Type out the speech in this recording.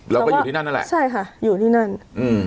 เราก็อยู่ที่นั่นนั่นแหละใช่ค่ะอยู่ที่นั่นอืม